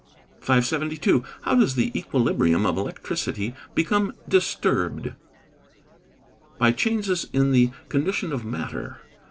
"] 572. How does the equilibrium of electricity become disturbed? By changes in the condition of matter.